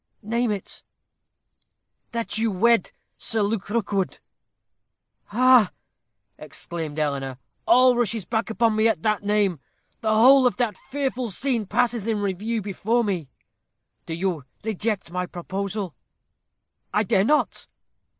"Name it." "That you wed Sir Luke Rookwood." "Ah!" exclaimed Eleanor, "all rushes back upon me at that name; the whole of that fearful scene passes in review before me." "Do you reject my proposal?" "I dare not."